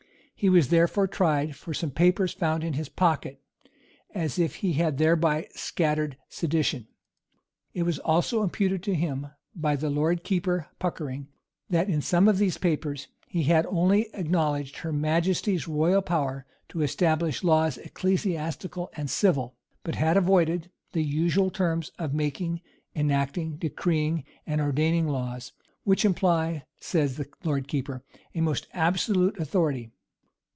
He was therefore tried for some papers found in his pocket, as if he had thereby scattered sedition.[*] It was also imputed to him, by the lord keeper, Puckering, that in some of these papers, "he had only acknowledged her majesty's royal power to establish laws ecclesiastical and civil; but had avoided the usual terms of making, enacting, decreeing, and ordaining laws; which imply," says the lord keeper, "a most absolute authority."